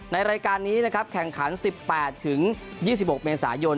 รายการนี้นะครับแข่งขัน๑๘๒๖เมษายน